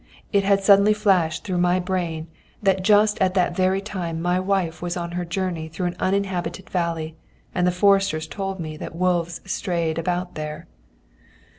It had suddenly flashed through my brain that just at that very time my wife was on her journey through an uninhabited valley, and the foresters told me that wolves strayed about there.